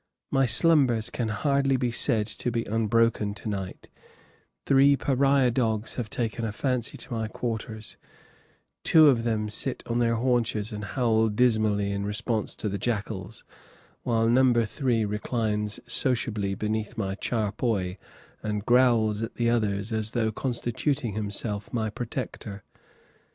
My slumbers can hardly be said to be unbroken to night, three pariah dogs have taken a fancy to my quarters; two of them sit on their haunches and howl dismally in response to the jackals, while number three reclines sociably beneath my charpoy and growls at the others as though constituting himself my protector.